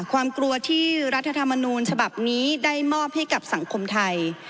ความกลัวที่รัฐธรรมนูญฉบับนี้ได้มอบให้กับสังคมไทย